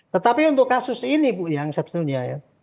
tetapi untuk kasus ini bu yang sebetulnya ya